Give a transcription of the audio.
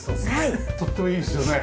とってもいいですよね。